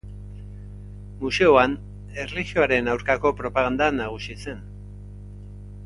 Museoan erlijioaren aurkako propaganda nagusi zen.